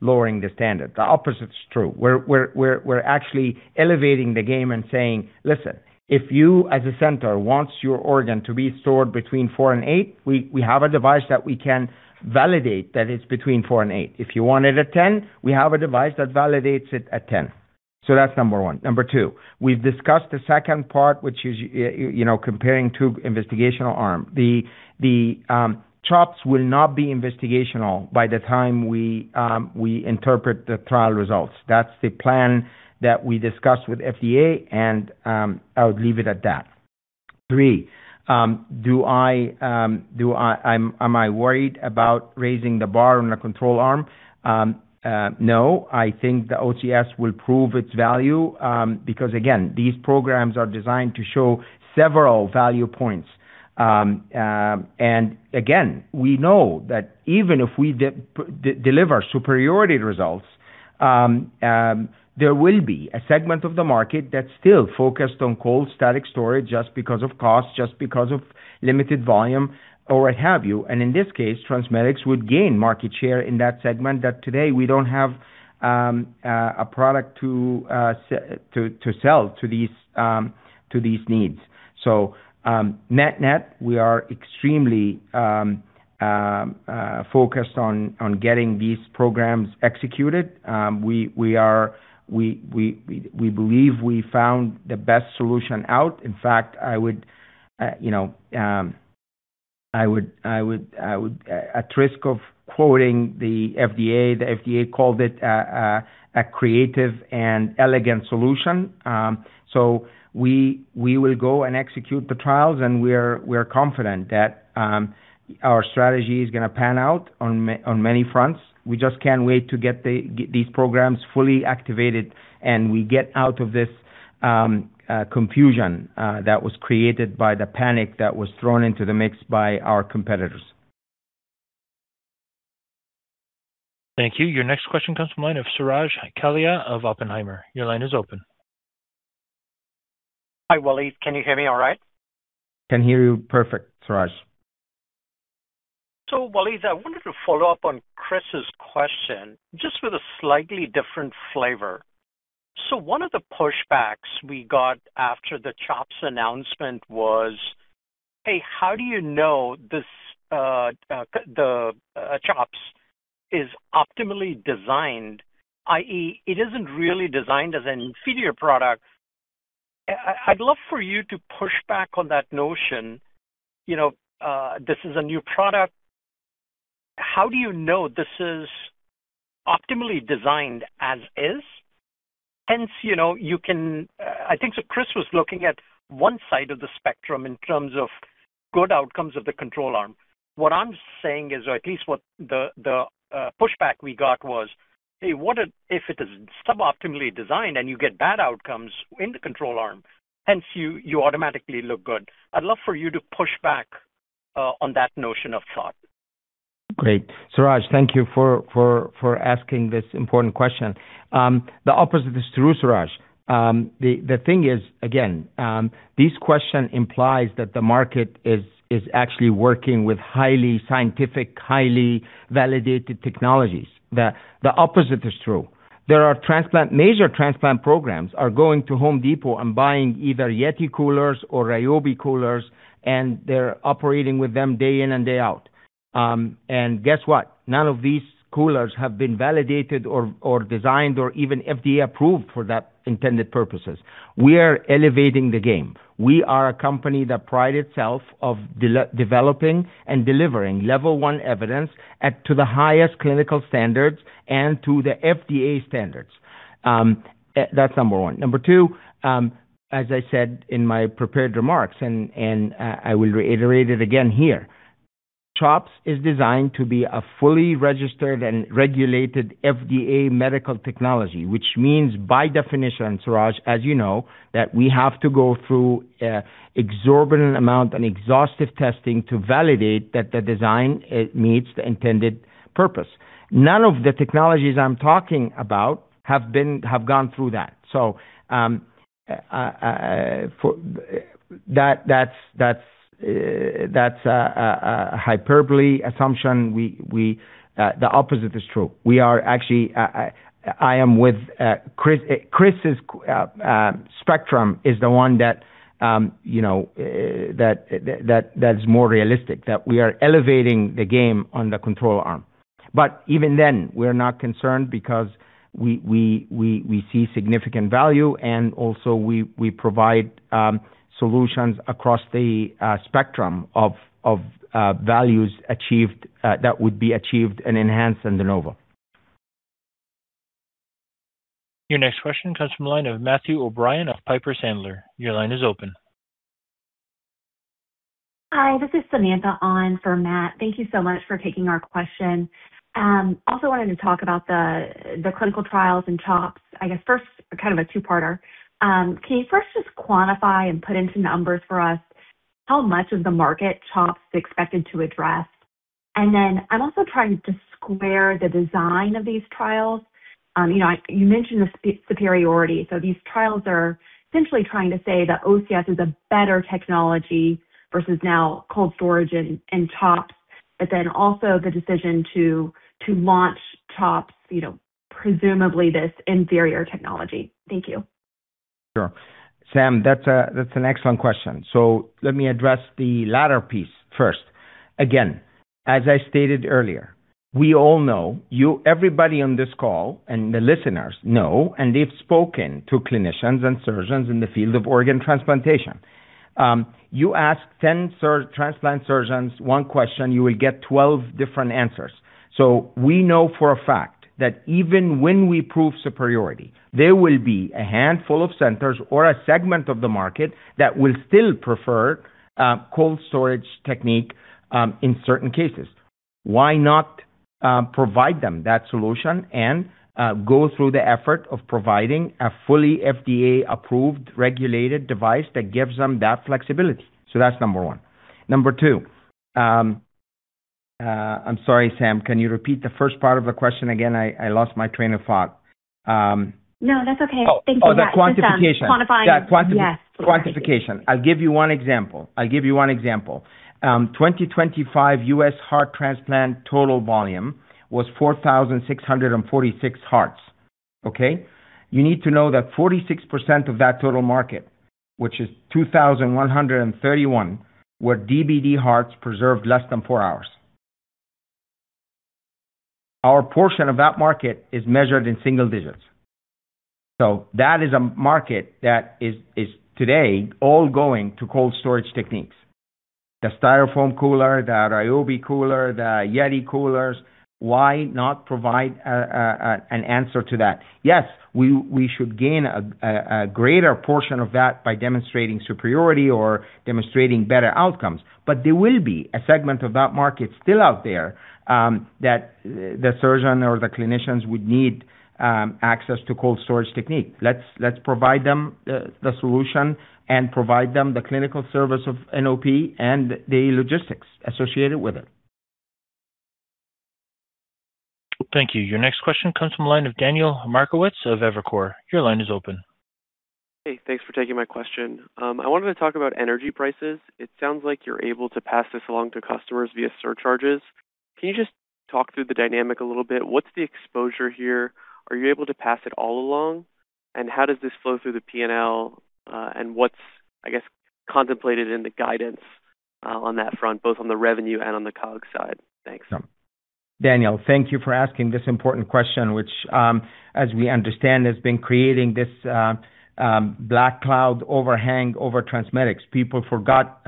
lowering the standard. The opposite is true. We're actually elevating the game and saying, "Listen, if you as a center wants your organ to be stored between four and eight, we have a device that we can validate that it's between four and eight. If you want it at 10, we have a device that validates it at 10." That's number one. Number two, we've discussed the second part, which is, you know, comparing two investigational arm. The CHOPS will not be investigational by the time we interpret the trial results. That's the plan that we discussed with FDA, and I would leave it at that. Three, am I worried about raising the bar on a control arm? No. I think the OCS will prove its value because again, these programs are designed to show several value points. Again, we know that even if we deliver superiority results, there will be a segment of the market that's still focused on cold static storage just because of cost, just because of limited volume or what have you. In this case, TransMedics would gain market share in that segment that today we don't have a product to sell to these needs. Net-net, we are extremely focused on getting these programs executed. We believe we found the best solution out. In fact, I would, you know, at risk of quoting the FDA, the FDA called it a creative and elegant solution. We will go and execute the trials, and we're confident that our strategy is gonna pan out on many fronts. We just can't wait to get these programs fully activated and we get out of this confusion that was created by the panic that was thrown into the mix by our competitors. Thank you. Your next question comes from line of Suraj Kalia of Oppenheimer. Your line is open. Hi, Waleed. Can you hear me all right? Can hear you perfect, Suraj. Waleed, I wanted to follow up on Chris's question just with a slightly different flavor. One of the pushbacks we got after the CHOPS announcement was, hey, how do you know this, the CHOPS is optimally designed, i.e., it isn't really designed as an inferior product? I'd love for you to push back on that notion. You know, this is a new product. How do you know this is optimally designed as is? You know, you can I think so Chris was looking at one side of the spectrum in terms of good outcomes of the control arm. What I'm saying is, or at least what the pushback we got was, hey, what if it is sub-optimally designed and you get bad outcomes in the control arm, hence you automatically look good. I'd love for you to push back on that notion of thought. Great. Suraj, thank you for asking this important question. The opposite is true, Suraj. The thing is, again, this question implies that the market is actually working with highly scientific, highly validated technologies. The opposite is true. Major transplant programs are going to Home Depot and buying either YETI coolers or Ryobi coolers, and they're operating with them day in and day out. Guess what? None of these coolers have been validated or designed or even FDA approved for that intended purposes. We are elevating the game. We are a company that pride itself of developing and delivering level 1 evidence to the highest clinical standards and to the FDA standards. That's number one. Number two, as I said in my prepared remarks, and I will reiterate it again here, CHOPS is designed to be a fully registered and regulated FDA medical technology, which means by definition, Suraj, as you know, that we have to go through exorbitant amount and exhaustive testing to validate that the design, it meets the intended purpose. None of the technologies I'm talking about have gone through that. For that's hyperbole assumption. The opposite is true. We are actually, I am with Chris's spectrum is the one that, you know, that's more realistic, that we are elevating the game on the control arm. Even then, we're not concerned because we see significant value and also we provide solutions across the spectrum of values achieved that would be achieved and enhanced in the DENOVO. Your next question comes from the line of Matthew O'Brien of Piper Sandler. Hi, this is Samantha on for Matt. Thank you so much for taking our question. Also wanted to talk about the clinical trials in CHOPS. I guess first, kind of a two-parter. Can you first just quantify and put into numbers for us how much of the market CHOPS is expected to address? I'm also trying to square the design of these trials. You know, you mentioned the superiority. These trials are essentially trying to say that OCS is a better technology versus now cold storage and CHOPS. Also the decision to launch CHOPS, you know, presumably this inferior technology. Thank you. Sure. Sam, that's an excellent question. Let me address the latter piece first. Again, as I stated earlier, we all know everybody on this call and the listeners know, and they've spoken to clinicians and surgeons in the field of organ transplantation. You ask 10 transplant surgeons one question, you will get 12 different answers. We know for a fact that even when we prove superiority, there will be a handful of centers or a segment of the market that will still prefer cold storage technique in certain cases. Why not provide them that solution and go through the effort of providing a fully FDA-approved regulated device that gives them that flexibility? That's number one. Number two, I'm sorry, Sam, can you repeat the first part of the question again? I lost my train of thought. No, that's okay. Thanks for that. Oh, the quantification. Quantifying, yeah. Quantification. Yes. I'll give you one example. Twenty twenty-five U.S. heart transplant total volume was 4,646 hearts. Okay. You need to know that 46% of that total market, which is 2,131, were DBD hearts preserved less than four hours. Our portion of that market is measured in single digits. That is a market that is today all going to cold storage techniques. The Styrofoam cooler, the Ryobi cooler, the YETI coolers. Why not provide an answer to that? Yes, we should gain a greater portion of that by demonstrating superiority or demonstrating better outcomes. But there will be a segment of that market still out there that the surgeon or the clinicians would need access to cold storage technique. Let's provide them the solution and provide them the clinical service of NOP and the logistics associated with it. Thank you. Your next question comes from the line of Daniel Markowitz of Evercore. Your line is open. Hey, thanks for taking my question. I wanted to talk about energy prices. It sounds like you're able to pass this along to customers via surcharges. Can you just talk through the dynamic a little bit? What's the exposure here? Are you able to pass it all along? How does this flow through the P&L and what's, I guess, contemplated in the guidance on that front, both on the revenue and on the COGS side? Thanks. Daniel, thank you for asking this important question, which, as we understand, has been creating this black cloud overhang over TransMedics. People forgot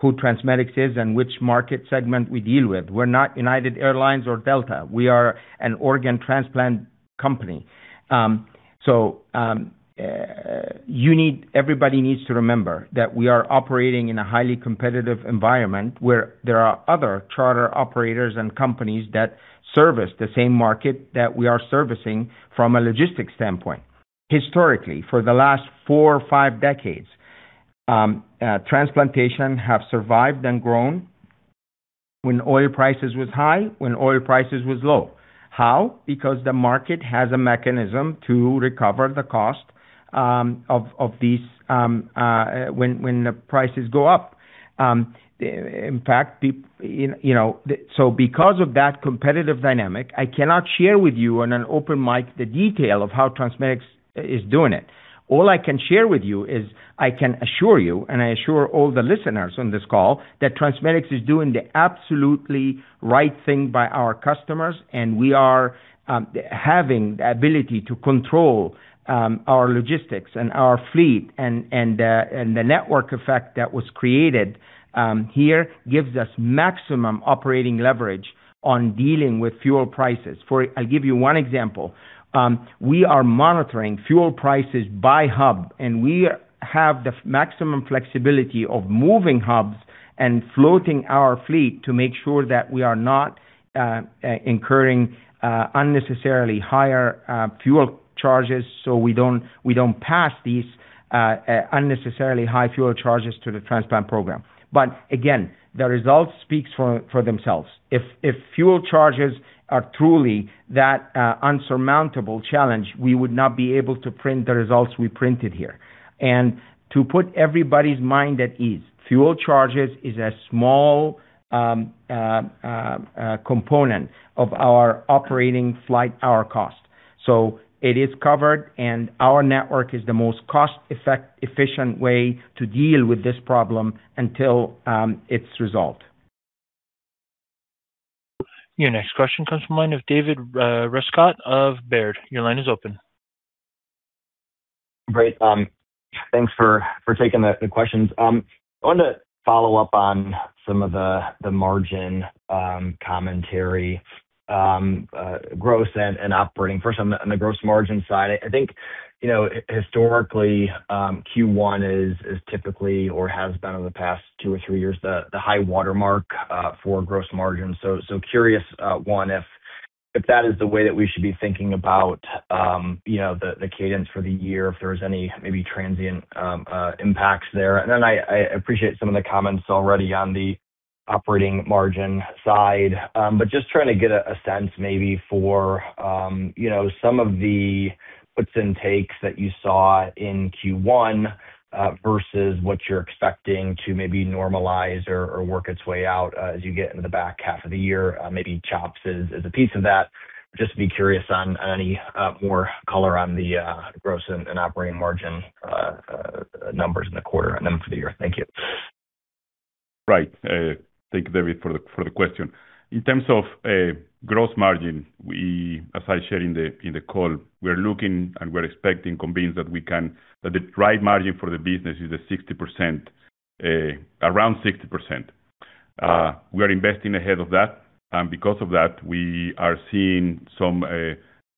who TransMedics is and which market segment we deal with. We're not United Airlines or Delta. We are an organ transplant company. Everybody needs to remember that we are operating in a highly competitive environment where there are other charter operators and companies that service the same market that we are servicing from a logistics standpoint. Historically, for the last four or five decades, transplantation have survived and grown when oil prices was high, when oil prices was low. How? Because the market has a mechanism to recover the cost of these when the prices go up. In fact, you know because of that competitive dynamic, I cannot share with you on an open mic the detail of how TransMedics is doing it. All I can share with you is I can assure you, and I assure all the listeners on this call, that TransMedics is doing the absolutely right thing by our customers, and we are having the ability to control our logistics and our fleet and the network effect that was created here gives us maximum operating leverage on dealing with fuel prices. I'll give you one example. We are monitoring fuel prices by hub, and we have the maximum flexibility of moving hubs and floating our fleet to make sure that we are not incurring unnecessarily higher fuel charges, so we don't pass these unnecessarily high fuel charges to the transplant program. Again, the results speaks for themselves. If fuel charges are truly that unsurmountable challenge, we would not be able to print the results we printed here. To put everybody's mind at ease, fuel charges is a small component of our operating flight hour cost. It is covered, and our network is the most cost efficient way to deal with this problem until it's resolved. Your next question comes from line of David Rescott of Baird. Your line is open. Great. Thanks for taking the questions. I wanted to follow up on some of the margin commentary, gross and operating. First on the, on the gross margin side. I think, you know, historically, Q1 is typically or has been over the past two or three years, the high watermark for gross margin. Curious, one, if that is the way that we should be thinking about, you know, the cadence for the year, if there's any maybe transient impacts there. I appreciate some of the comments already on the operating margin side. Just trying to get a sense maybe for, you know, some of the puts and takes that you saw in Q1 versus what you're expecting to maybe normalize or work its way out as you get into the back half of the year, maybe CHOPS is a piece of that. Just to be curious on any more color on the gross and operating margin numbers in the quarter and then for the year. Thank you. Right. Thank you, David, for the question. In terms of gross margin, we, as I shared in the call, we're looking and we're expecting, convinced that the right margin for the business is the 60%, around 60%. We are investing ahead of that, because of that, we are seeing some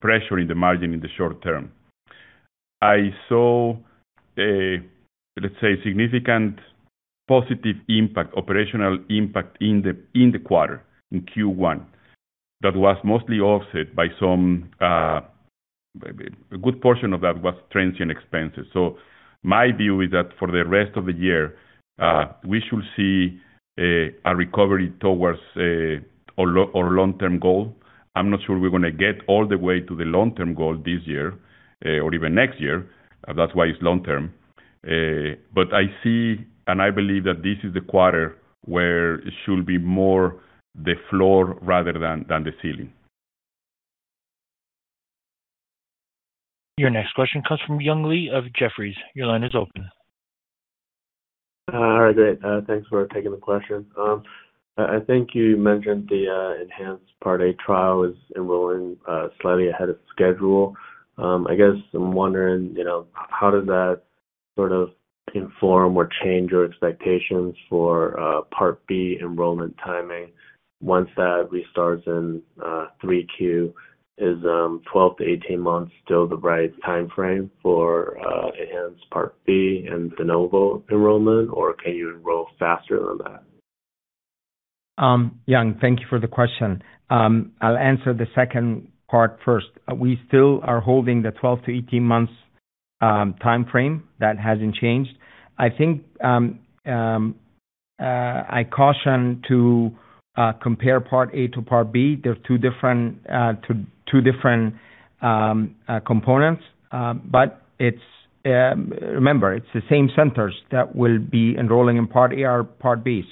pressure in the margin in the short term. I saw a, let's say, significant positive impact, operational impact in the quarter, in Q1, that was mostly offset by some a good portion of that was transient expenses. My view is that for the rest of the year, we should see a recovery towards our long-term goal. I'm not sure we're gonna get all the way to the long-term goal this year, or even next year. That's why it's long term. I see and I believe that this is the quarter where it should be more the floor rather than the ceiling. Your next question comes from Young Lee of Jefferies. Your line is open. All right, great. Thanks for taking the question. I think you mentioned the ENHANCE Part A trial is enrolling slightly ahead of schedule. I guess I'm wondering, you know, how does that sort of inform or change your expectations for Part B enrollment timing once that restarts in 3Q? Is 12-18 months still the right timeframe for ENHANCE Part B and DENOVO enrollment, or can you enroll faster than that? Young Lee, thank you for the question. I'll answer the second part first. We still are holding the 12-18 months timeframe. That hasn't changed. I caution to compare Part A to Part B. They're two different components. It's, remember, it's the same centers that will be enrolling in Part A or Part B.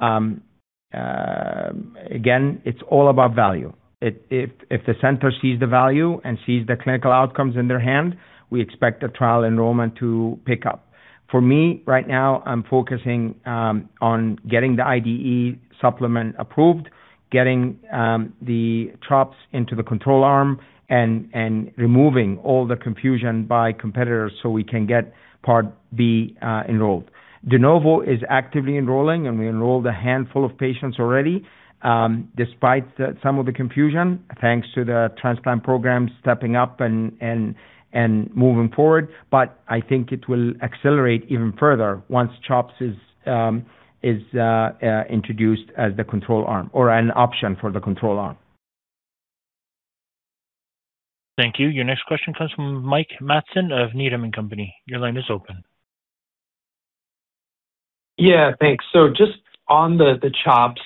Again, it's all about value. If the center sees the value and sees the clinical outcomes in their hand, we expect the trial enrollment to pick up. For me, right now I'm focusing on getting the IDE supplement approved, getting the CHOPS into the control arm, and removing all the confusion by competitors so we can get Part B enrolled. DENOVO is actively enrolling. We enrolled a handful of patients already, despite some of the confusion, thanks to the transplant program stepping up and moving forward. I think it will accelerate even further once CHOPS is introduced as the control arm or an option for the control arm. Thank you. Your next question comes from Mike Matson of Needham & Company. Your line is open. Yeah, thanks. Just on the CHOPS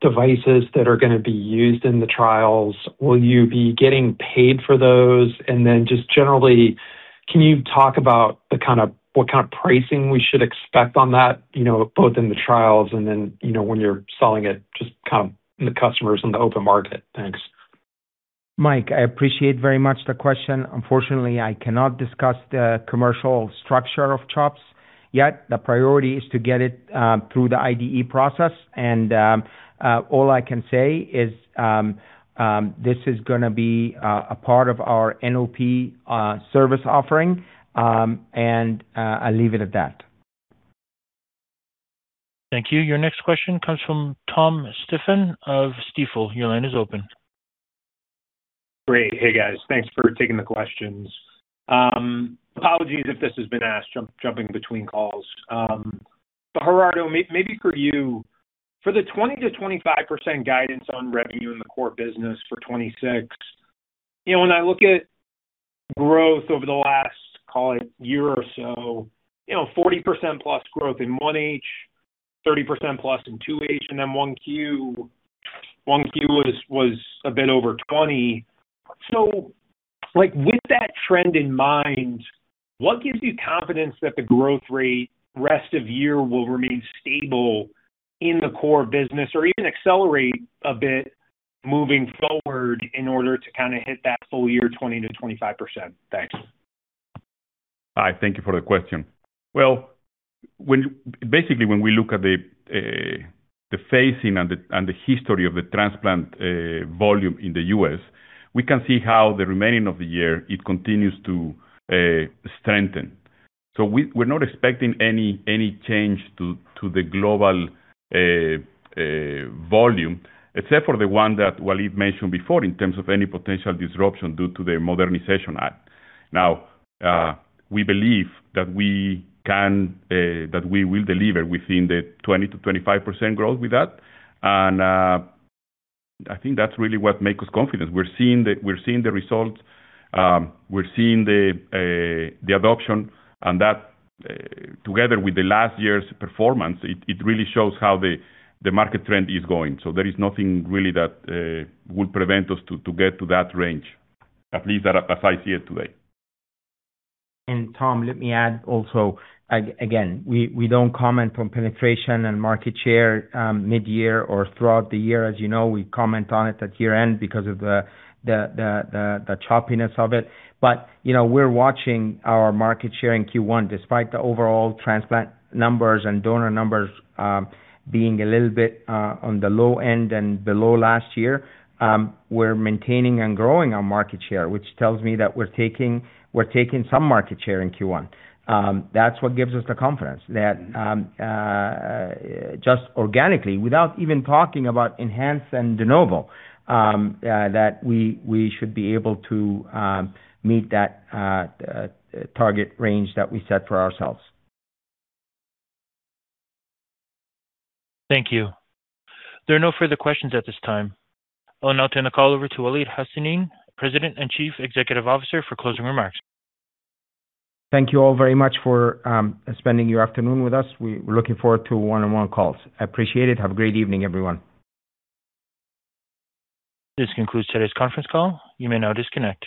devices that are gonna be used in the trials, will you be getting paid for those? Just generally, can you talk about what kind of pricing we should expect on that, you know, both in the trials and then, you know, when you're selling it just kind of the customers in the open market? Thanks. Mike, I appreciate very much the question. Unfortunately, I cannot discuss the commercial structure of CHOPS yet. The priority is to get it through the IDE process. All I can say is this is gonna be a part of our NOP service offering. I leave it at that. Thank you. Your next question comes from Thomas Stephan of Stifel. Your line is open. Great. Hey, guys. Thanks for taking the questions. Apologies if this has been asked. jumping between calls. Gerardo, maybe for you, for the 20%-25% guidance on revenue in the core business for 2026, you know, when I look at growth over the last, call it, year or so, you know, 40+% growth in 1H, 30+% in 2H, and then 1Q was a bit over 20%. Like, with that trend in mind, what gives you confidence that the growth rate rest of year will remain stable in the core business or even accelerate a bit moving forward in order to kinda hit that full year 20%-25%? Thanks. Hi, thank you for the question. Well, basically, when we look at the phasing and the history of the transplant volume in the U.S., we can see how the remaining of the year it continues to strengthen. We're not expecting any change to the global volume, except for the one that Waleed mentioned before in terms of any potential disruption due to the Modernization Act. Now, we believe that we can that we will deliver within the 20%-25% growth with that. I think that's really what makes us confident. We're seeing the results, we're seeing the adoption, and that together with the last year's performance, it really shows how the market trend is going. There is nothing really that would prevent us to get to that range, at least, as I see it today. Tom, let me add also, again, we don't comment on penetration and market share, mid-year or throughout the year. As you know, we comment on it at year-end because of the choppiness of it. You know, we're watching our market share in Q1. Despite the overall transplant numbers and donor numbers, being a little bit on the low end and below last year, we're maintaining and growing our market share, which tells me that we're taking some market share in Q1. That's what gives us the confidence that just organically, without even talking about ENHANCE and de novo, that we should be able to meet that target range that we set for ourselves. Thank you. There are no further questions at this time. I'll now turn the call over to Waleed Hassanein, President and Chief Executive Officer, for closing remarks. Thank you all very much for spending your afternoon with us. We're looking forward to one-on-one calls. I appreciate it. Have a great evening, everyone. This concludes today's conference call. You may now disconnect.